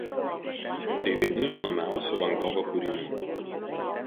Tai vieni iš žinomiausių Van Gogo kūrinių.